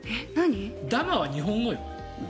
ダマは日本語よ。